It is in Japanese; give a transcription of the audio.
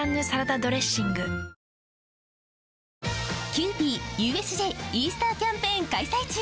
キユーピーＵＳＪイースターキャンペーン開催中！